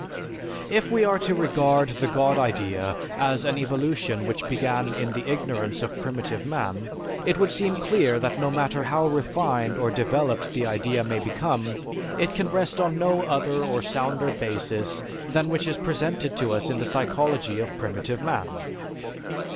"If we are to regard the God idea as an evolution which began in the ignorance of primitive man, it would seem clear that no matter how refined or developed the idea may become, it can rest on no other or sounder basis than which is presented to us in the psychology of primitive man.